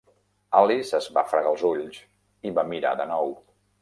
Alice es va fregar els ulls, i va mirar de nou.